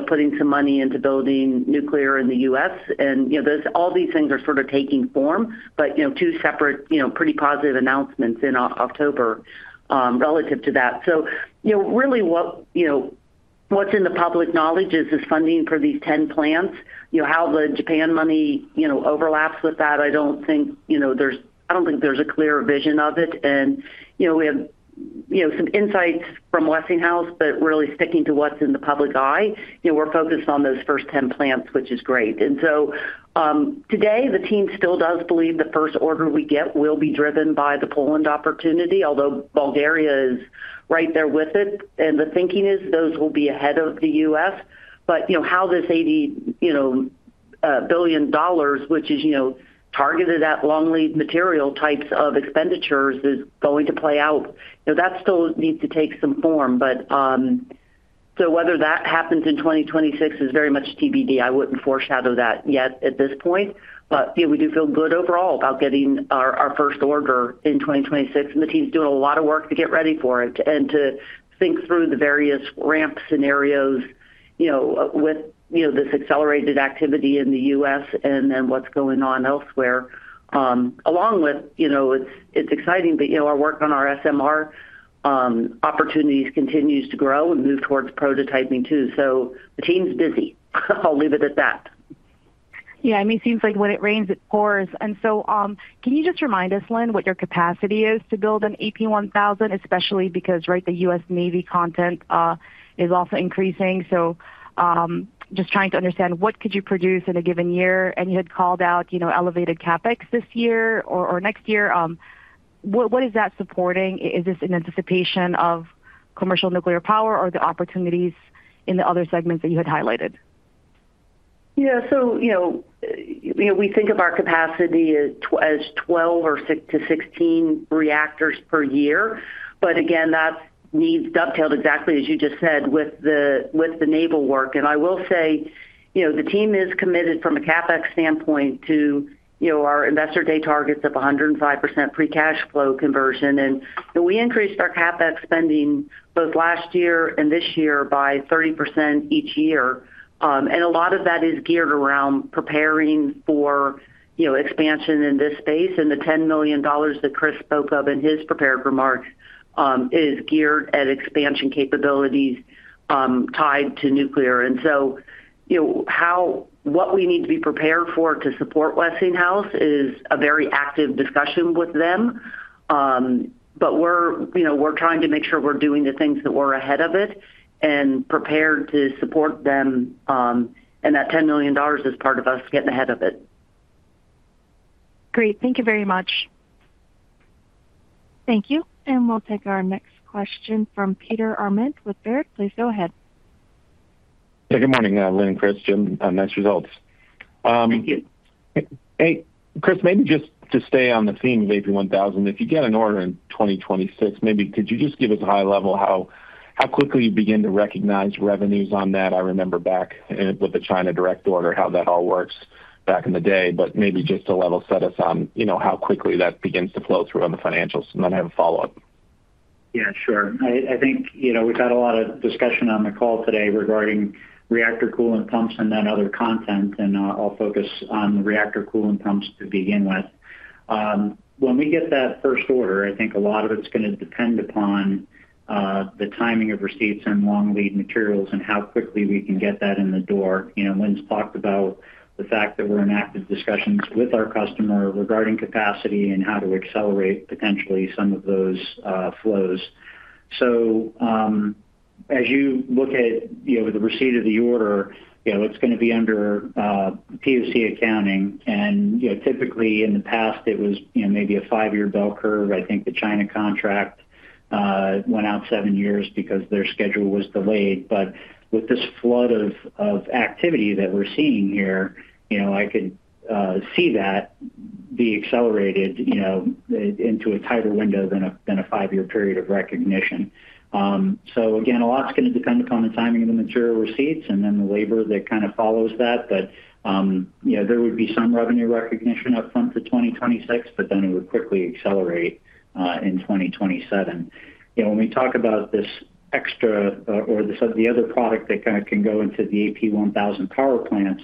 putting some money into building nuclear in the U.S. All these things are sort of taking form, but two separate, pretty positive announcements in October relative to that. Really, what's in the public knowledge is funding for these 10 plants. How the Japan money overlaps with that, I don't think there's a clear vision of it. We have some insights from Westinghouse, but really sticking to what's in the public eye. We're focused on those first 10 plants, which is great. Today, the team still does believe the first order we get will be driven by the Poland opportunity, although Bulgaria is right there with it. The thinking is those will be ahead of the U.S. However, how this $80 billion, which is targeted at long lead material types of expenditures, is going to play out, that still needs to take some form. Whether that happens in 2026 is very much TBD. I would not foreshadow that yet at this point. We do feel good overall about getting our first order in 2026. The team's doing a lot of work to get ready for it and to think through the various ramp scenarios with this accelerated activity in the U.S. and then what is going on elsewhere. Along with that, it is exciting, but our work on our SMR opportunities continues to grow and move towards prototyping too. The team's busy. I'll leave it at that. Yeah. I mean, it seems like when it rains, it pours. Can you just remind us, Lynn, what your capacity is to build an AP1000, especially because, right, the U.S. Navy content is also increasing? Just trying to understand what could you produce in a given year. You had called out elevated CapEx this year or next year. What is that supporting? Is this in anticipation of commercial nuclear power or the opportunities in the other segments that you had highlighted? Yeah. We think of our capacity as 12-16 reactors per year. But again, that needs dovetailed exactly, as you just said, with the naval work. I will say the team is committed from a CapEx standpoint to our investor day targets of 105% pre-cash flow conversion. We increased our CapEx spending both last year and this year by 30% each year. A lot of that is geared around preparing for expansion in this space. The $10 million that Chris spoke of in his prepared remarks is geared at expansion capabilities tied to nuclear. What we need to be prepared for to support Westinghouse is a very active discussion with them. We are trying to make sure we are doing the things that we are ahead of it and prepared to support them. That $10 million is part of us getting ahead of it. Great. Thank you very much. Thank you. We will take our next question from Peter Arment with Baird. Please go ahead. Hey, good morning, Lynn and Chris. Jim. Nice results. Thank you. Hey, Chris, maybe just to stay on the theme of AP1000, if you get an order in 2026, maybe could you just give us a high level how quickly you begin to recognize revenues on that? I remember back with the China direct order, how that all works back in the day. Maybe just to level set us on how quickly that begins to flow through on the financials. I have a follow-up. Yeah, sure. I think we've had a lot of discussion on the call today regarding reactor coolant pumps and then other content. I'll focus on the reactor coolant pumps to begin with. When we get that first order, I think a lot of it's going to depend upon the timing of receipts and long lead materials and how quickly we can get that in the door. Lynn's talked about the fact that we're in active discussions with our customer regarding capacity and how to accelerate potentially some of those flows. As you look at the receipt of the order, it's going to be under POC accounting. Typically, in the past, it was maybe a five-year bell curve. I think the China contract went out seven years because their schedule was delayed. With this flood of activity that we're seeing here, I could see that be accelerated into a tighter window than a five-year period of recognition. Again, a lot's going to depend upon the timing of the material receipts and then the labor that kind of follows that. There would be some revenue recognition up front for 2026, but then it would quickly accelerate in 2027. When we talk about this extra or the other product that kind of can go into the AP1000 power plants,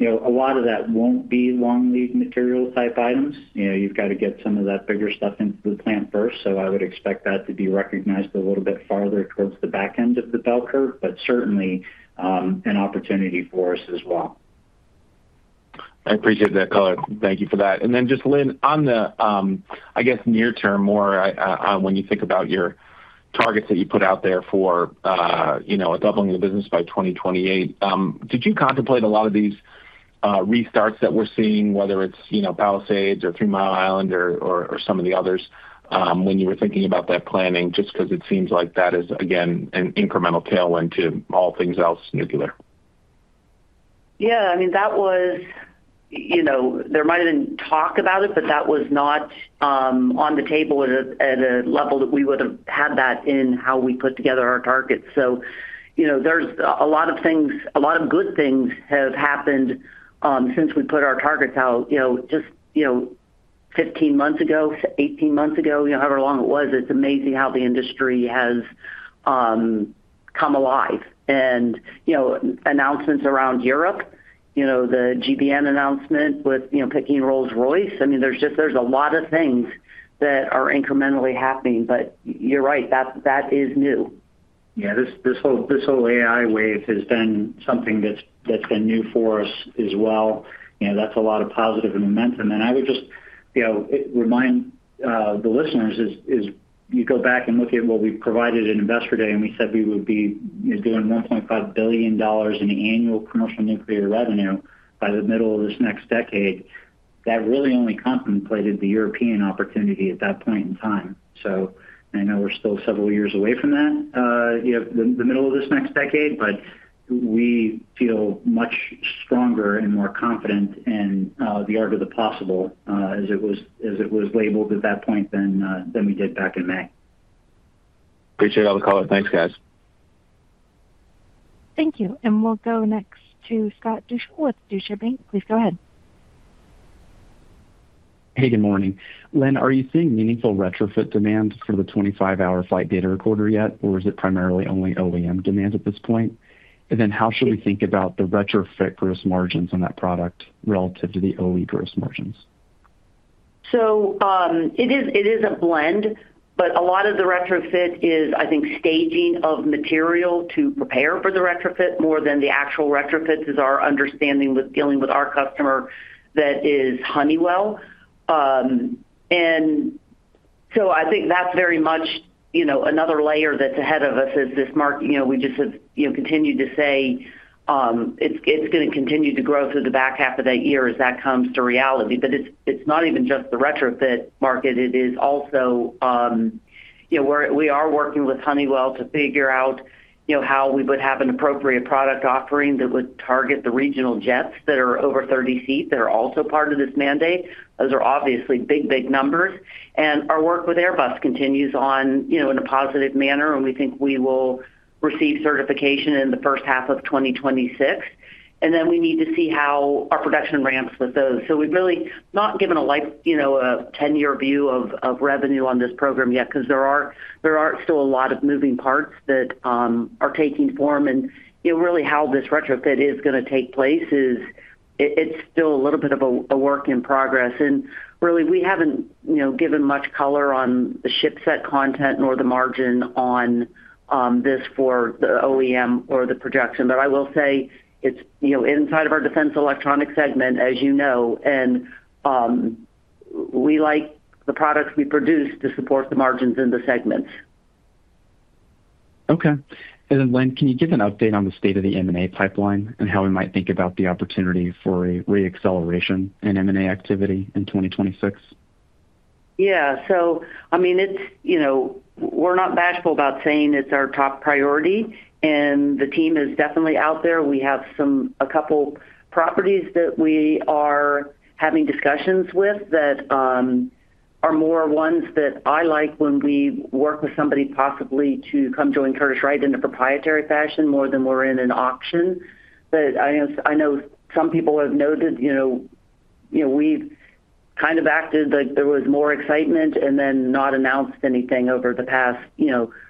a lot of that will not be long lead material type items. You have got to get some of that bigger stuff into the plant first. I would expect that to be recognized a little bit farther towards the back end of the bell curve, but certainly an opportunity for us as well. I appreciate that, Color. Thank you for that. Then just, Lynn, on the, I guess, near-term more when you think about your targets that you put out there for doubling the business by 2028, did you contemplate a lot of these. Restarts that we're seeing, whether it's Palisades or Three Mile Island or some of the others, when you were thinking about that planning, just because it seems like that is, again, an incremental tailwind to all things else nuclear? Yeah. I mean, that was. There might have been talk about it, but that was not. On the table at a level that we would have had that in how we put together our targets. There's a lot of things, a lot of good things have happened since we put our targets out just 15 months ago, 18 months ago, however long it was. It's amazing how the industry has come alive. Announcements around Europe, the GBN announcement with picking Rolls-Royce. I mean, there's a lot of things that are incrementally happening. You're right, that is new. Yeah. This whole AI wave has been something that's been new for us as well. That's a lot of positive momentum. I would just remind the listeners, as you go back and look at what we provided at investor day, we said we would be doing $1.5 billion in annual commercial nuclear revenue by the middle of this next decade. That really only contemplated the European opportunity at that point in time. I know we're still several years away from that, the middle of this next decade, but we feel much stronger and more confident in the art of the possible, as it was labeled at that point, than we did back in May. Appreciate all the calls. Thanks, guys. Thank you. We'll go next to Scott Duchamp. Please go ahead. Hey, good morning. Lynn, are you seeing meaningful retrofit demand for the 25-hour flight data recorder yet, or is it primarily only OEM demand at this point? How should we think about the retrofit gross margins on that product relative to the OE gross margins? It is a blend, but a lot of the retrofit is, I think, staging of material to prepare for the retrofit more than the actual retrofit is our understanding with dealing with our customer that is Honeywell. I think that's very much another layer that's ahead of us is this market. We just have continued to say it's going to continue to grow through the back half of that year as that comes to reality. It's not even just the retrofit market. It is also. We are working with Honeywell to figure out how we would have an appropriate product offering that would target the regional jets that are over 30 seats that are also part of this mandate. Those are obviously big, big numbers. Our work with Airbus continues in a positive manner, and we think we will receive certification in the first half of 2026. We need to see how our production ramps with those. We have really not given a 10-year view of revenue on this program yet because there are still a lot of moving parts that are taking form. Really, how this retrofit is going to take place is still a little bit of a work in progress. We have not given much color on the ship set content nor the margin on this for the OEM or the projection. I will say it's inside of our defense electronics segment, as you know. We like the products we produce to support the margins in the segments. Okay. Lynn, can you give an update on the state of the M&A pipeline and how we might think about the opportunity for re-acceleration in M&A activity in 2026? Yeah. I mean, we're not bashful about saying it's our top priority, and the team is definitely out there. We have a couple of properties that we are having discussions with that are more ones that I like when we work with somebody possibly to come join Curtiss-Wright in a proprietary fashion more than we're in an auction. I know some people have noted we've kind of acted like there was more excitement and then not announced anything over the past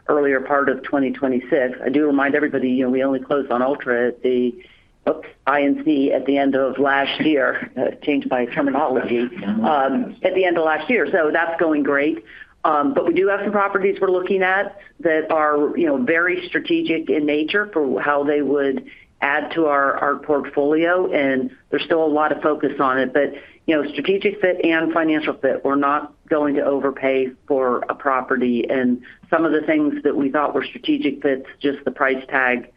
earlier part of 2026. I do remind everybody we only closed on Ultra, at the INC, at the end of last year. Change my terminology. At the end of last year. That's going great. We do have some properties we're looking at that are very strategic in nature for how they would add to our portfolio. There's still a lot of focus on it. Strategic fit and financial fit, we're not going to overpay for a property. Some of the things that we thought were strategic fits, just the price tag,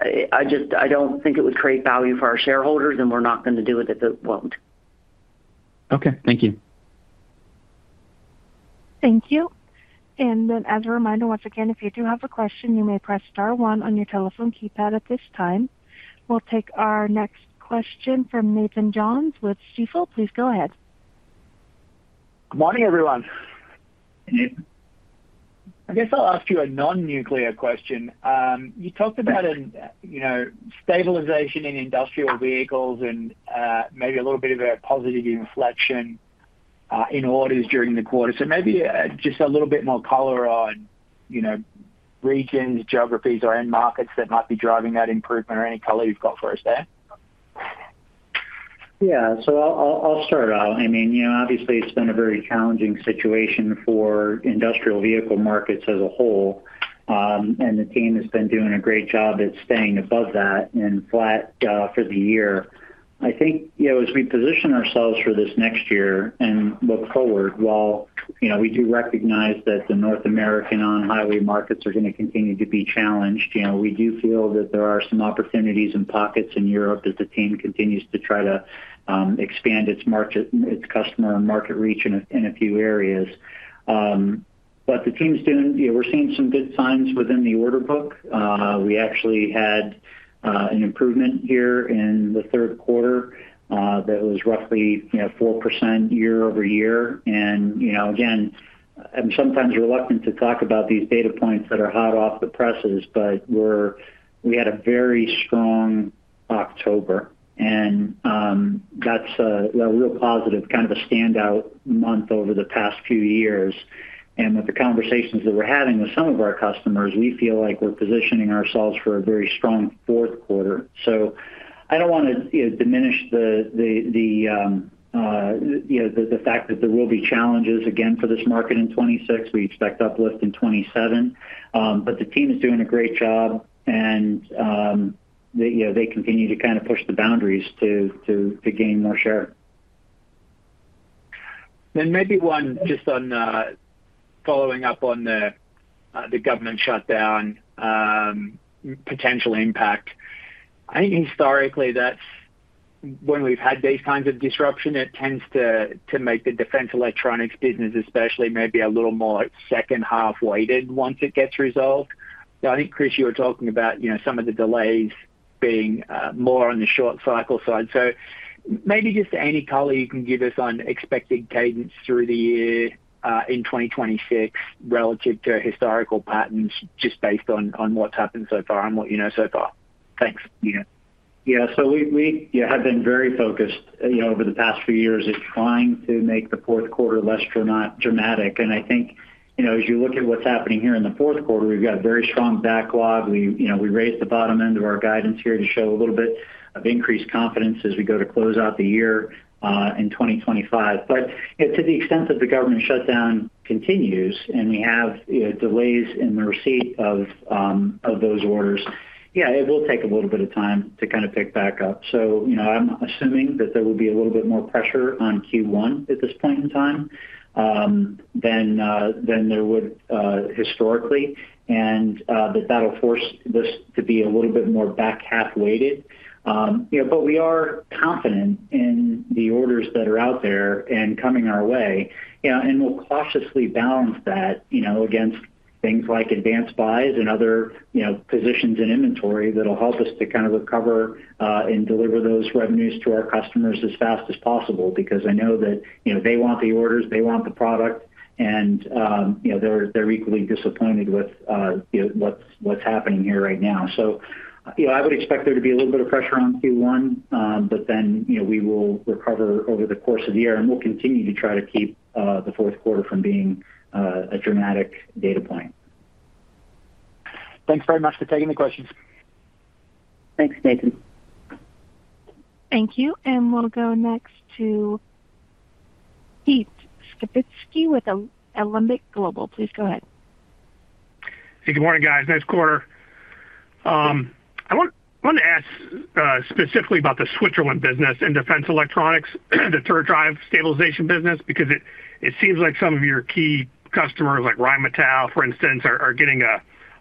I don't think it would create value for our shareholders, and we're not going to do it if it won't. Okay. Thank you. Thank you. As a reminder, once again, if you do have a question, you may press star one on your telephone keypad at this time. We'll take our next question from Nathan Jones with Stifel. Please go ahead. Good morning, everyone. I guess I'll ask you a non-nuclear question. You talked about stabilization in industrial vehicles and maybe a little bit of a positive inflection in orders during the quarter. Maybe just a little bit more color on regions, geographies, or end markets that might be driving that improvement or any color you've got for us there. Yeah. I'll start out. I mean, obviously, it's been a very challenging situation for industrial vehicle markets as a whole. The team has been doing a great job at staying above that and flat for the year. I think as we position ourselves for this next year and look forward, while we do recognize that the North American on-highway markets are going to continue to be challenged, we do feel that there are some opportunities and pockets in Europe as the team continues to try to expand its customer and market reach in a few areas. The team's doing, we're seeing some good signs within the order book. We actually had an improvement here in the third quarter that was roughly 4% year-over-year. Again, I'm sometimes reluctant to talk about these data points that are hot off the presses, but we had a very strong October. That's a real positive, kind of a standout month over the past few years. With the conversations that we're having with some of our customers, we feel like we're positioning ourselves for a very strong fourth quarter. I do not want to diminish the fact that there will be challenges again for this market in 2026. We expect uplift in 2027. The team is doing a great job, and they continue to kind of push the boundaries to gain more share. Maybe one just on following up on the government shutdown potential impact. I think historically, when we've had these kinds of disruption, it tends to make the defense electronics business, especially maybe a little more second-half weighted once it gets resolved. I think, Chris, you were talking about some of the delays being more on the short cycle side. Maybe just any color you can give us on expected cadence through the year in 2026 relative to historical patterns, just based on what's happened so far and what you know so far. Thanks. Yeah. We have been very focused over the past few years at trying to make the fourth quarter less dramatic. I think as you look at what's happening here in the fourth quarter, we've got very strong backlog. We raised the bottom end of our guidance here to show a little bit of increased confidence as we go to close out the year in 2025. To the extent that the government shutdown continues and we have delays in the receipt of those orders, yeah, it will take a little bit of time to kind of pick back up. I'm assuming that there will be a little bit more pressure on Q1 at this point in time than there would historically, and that that'll force this to be a little bit more back half weighted. We are confident in the orders that are out there and coming our way. We'll cautiously balance that against things like advanced buys and other positions in inventory that'll help us to kind of recover and deliver those revenues to our customers as fast as possible because I know that they want the orders, they want the product, and they're equally disappointed with what's happening here right now. I would expect there to be a little bit of pressure on Q1, but then we will recover over the course of the year, and we'll continue to try to keep the fourth quarter from being a dramatic data point. Thanks very much for taking the questions. Thanks, Nathan. Thank you. We'll go next to Pete Skibitsky with Olympic Global. Please go ahead. Hey, good morning, guys. Nice quarter. I want to ask specifically about the Switzerland business in defense electronics, the turret drive stabilization business, because it seems like some of your key customers, like Rheinmetall, for instance, are getting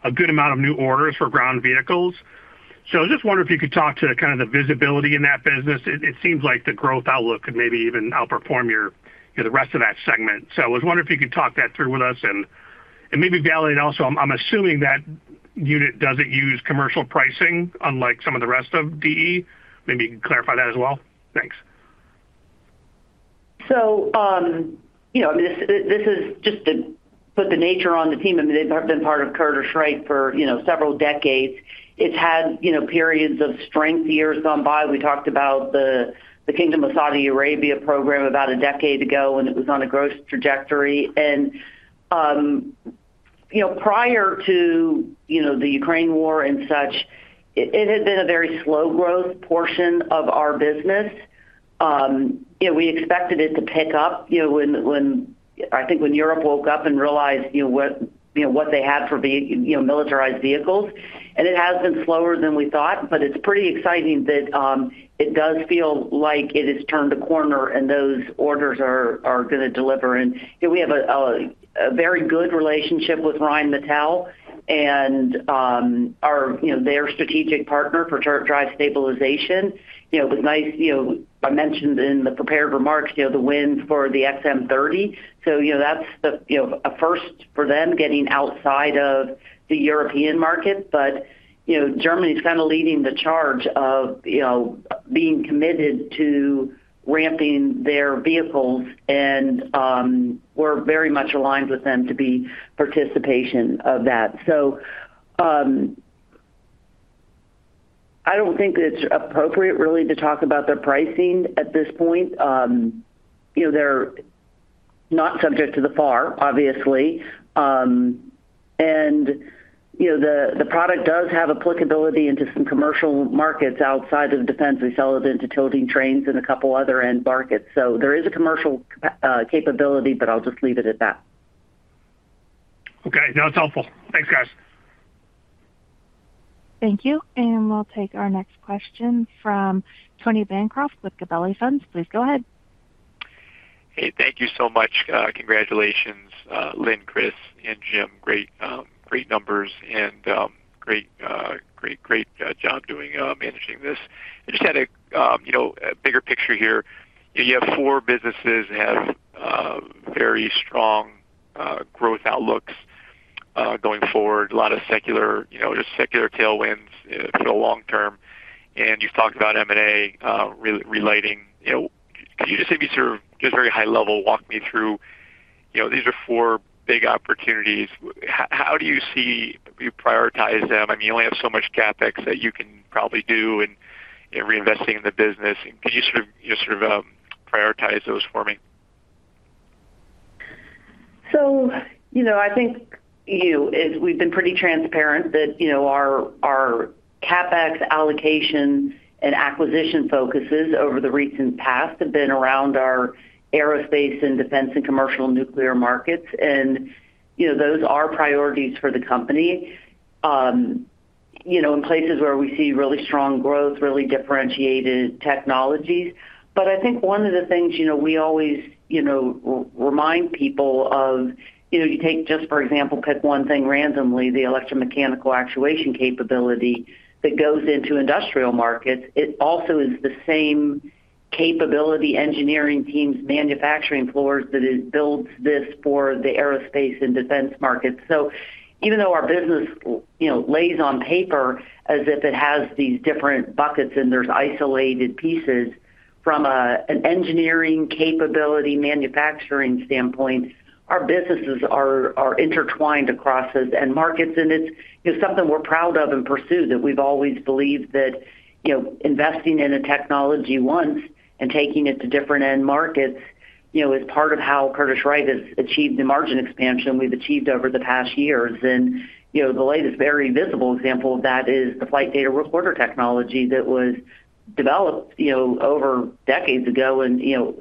a good amount of new orders for ground vehicles. I was just wondering if you could talk to kind of the visibility in that business. It seems like the growth outlook could maybe even outperform the rest of that segment. I was wondering if you could talk that through with us and maybe validate also. I'm assuming that unit doesn't use commercial pricing, unlike some of the rest of DE. Maybe you could clarify that as well. Thanks. I mean, this is just to put the nature on the team. I mean, they've been part of Curtiss-Wright for several decades. It's had periods of strength years gone by. We talked about the Kingdom of Saudi Arabia program about a decade ago, and it was on a growth trajectory. Prior to the Ukraine war and such, it had been a very slow growth portion of our business. We expected it to pick up. I think when Europe woke up and realized what they had for militarized vehicles. It has been slower than we thought, but it's pretty exciting that it does feel like it has turned a corner and those orders are going to deliver. We have a very good relationship with Rheinmetall and their strategic partner for turret drive stabilization. It was nice. I mentioned in the prepared remarks the win for the XM-30. That is a first for them getting outside of the European market. Germany is kind of leading the charge of being committed to ramping their vehicles, and we are very much aligned with them to be participation of that. I do not think it is appropriate really to talk about their pricing at this point. They are not subject to the FAR, obviously. The product does have applicability into some commercial markets outside of defense. We sell it into tilting trains and a couple of other end markets. There is a commercial capability, but I will just leave it at that. Okay. No, it is helpful. Thanks, guys. Thank you. We will take our next question from Tony Bancroft with Gabelli Funds. Please go ahead. Hey, thank you so much. Congratulations, Lynn, Chris, and Jim. Great numbers and great job managing this. I just had a bigger picture here. You have four businesses that have very strong growth outlooks going forward. A lot of secular, just secular tailwinds for the long term. You've talked about M&A relating. Could you just maybe sort of just very high level walk me through, these are four big opportunities? How do you see you prioritize them? I mean, you only have so much CapEx that you can probably do and reinvesting in the business. Can you sort of prioritize those for me? I think we've been pretty transparent that our CapEx allocation and acquisition focuses over the recent past have been around our aerospace and defense and commercial nuclear markets, and those are priorities for the company in places where we see really strong growth, really differentiated technologies. I think one of the things we always remind people of. You take just, for example, pick one thing randomly, the electromechanical actuation capability that goes into industrial markets. It also is the same capability engineering teams, manufacturing floors that builds this for the aerospace and defense markets. Even though our business lays on paper as if it has these different buckets and there are isolated pieces from an engineering capability, manufacturing standpoint, our businesses are intertwined across those end markets. It is something we are proud of and pursue, that we have always believed that investing in a technology once and taking it to different end markets is part of how Curtiss-Wright has achieved the margin expansion we have achieved over the past years. The latest very visible example of that is the flight data recorder technology that was developed decades ago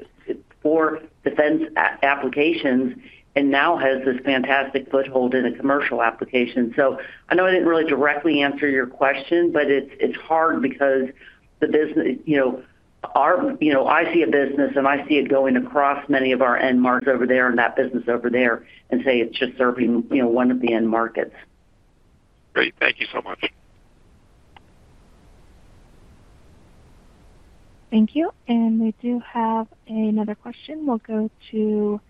for defense applications and now has this fantastic foothold in a commercial application. I know I did not really directly answer your question, but it is hard because the business. I see a business, and I see it going across many of our end markets over there and that business over there and say it is just serving one of the end markets. Great. Thank you so much. Thank you. We do have another question. We will go to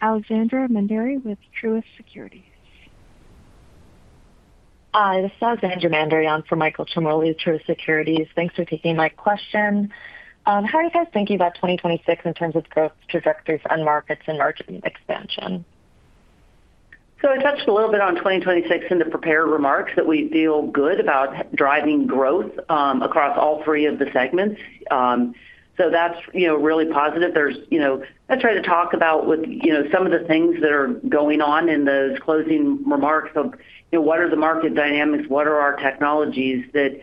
Alexandra Manderi with Truist Securities. This is Alexandra Manderi from Michael Ciarmoli, Truist Securities. Thanks for taking my question. How are you guys thinking about 2026 in terms of growth trajectory for end markets and margin expansion? I touched a little bit on 2026 in the prepared remarks that we feel good about driving growth across all three of the segments. That is really positive. I tried to talk about with some of the things that are going on in those closing remarks of what are the market dynamics, what are our technologies that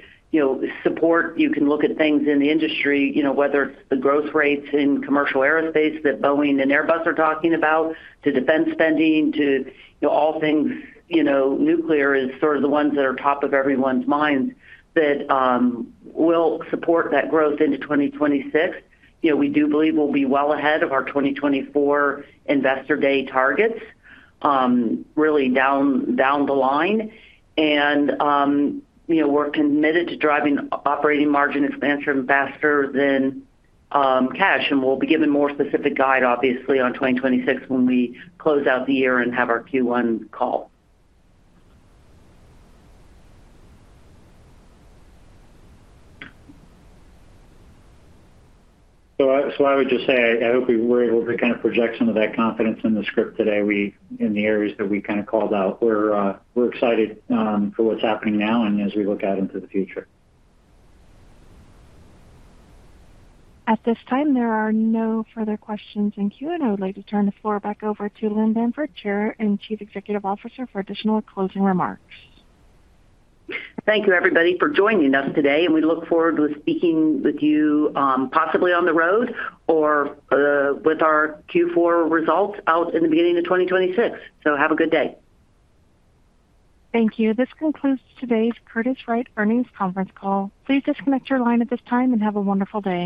support. You can look at things in the industry, whether it's the growth rates in commercial aerospace that Boeing and Airbus are talking about to defense spending to all things nuclear is sort of the ones that are top of everyone's minds that will support that growth into 2026. We do believe we'll be well ahead of our 2024 investor day targets, really down the line. We're committed to driving operating margin expansion faster than cash. We'll be given more specific guide, obviously, on 2026 when we close out the year and have our Q1 call. I would just say I hope we were able to kind of project some of that confidence in the script today in the areas that we kind of called out. We're excited for what's happening now and as we look out into the future. At this time, there are no further questions in queue, and I would like to turn the floor back over to Lynn Bamford, Chair and Chief Executive Officer, for additional closing remarks. Thank you, everybody, for joining us today. We look forward to speaking with you possibly on the road or with our Q4 results out in the beginning of 2026. Have a good day. Thank you. This concludes today's Curtiss-Wright earnings conference call. Please disconnect your line at this time and have a wonderful day.